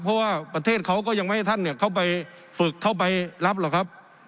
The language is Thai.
เพราะว่าประเทศเขาก็ยังไม่ให้ท่านเข้าไปฝึกเข้าไปรับหรอกครับ